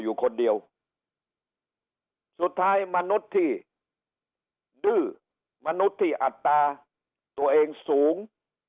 อยู่คนเดียวสุดท้ายมนุษย์ที่ดื้อมนุษย์ที่อัตราตัวเองสูง